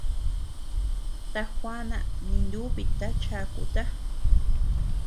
Ta juana ninubita chakuta.